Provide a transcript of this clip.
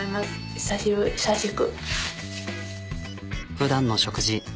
ふだんの食事。